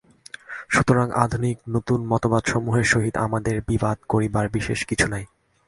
সুতরাং আধুনিক নূতন মতবাদসমূহের সহিত আমাদের বিবাদ করিবার বিশেষ কিছু নাই।